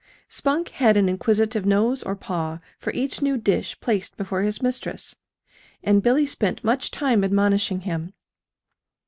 Spunk had an inquisitive nose or paw for each new dish placed before his mistress; and Billy spent much time admonishing him.